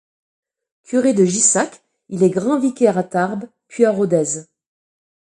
Curé de Gissac, il est grand vicaire à Tarbes, puis à Rodez.